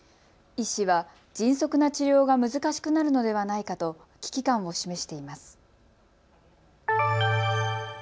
医師は迅速な治療が難しくなるのではないかと危機感を示しています。